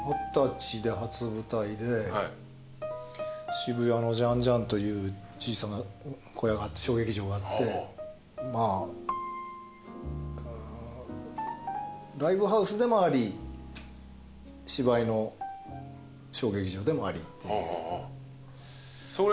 渋谷のジァン・ジァンという小さな小劇場があってまあライブハウスでもあり芝居の小劇場でもありっていう。